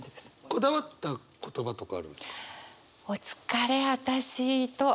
こだわった言葉とかあるんですか？